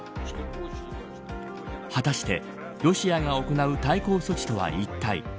果たして、ロシアが行う対抗措置とはいったい。